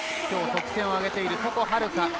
きょう得点を挙げている床秦留可。